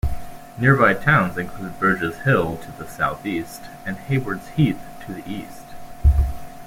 Nearby towns include Burgess Hill to the southeast and Haywards Heath to the east.